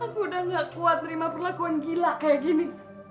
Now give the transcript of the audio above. aku udah gak kuat terima perlakuan gila kayak gini